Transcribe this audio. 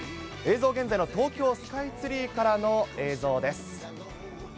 映像、現在の東京スカイツリーからの映像です。